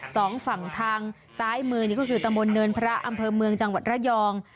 สองฝั่งทางซ้ายมือนี่ก็คือตะมนต์เนินพระอำเภอเมืองจังหวัดระยอง